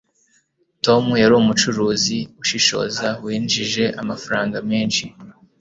tom yari umucuruzi ushishoza winjije amafaranga menshi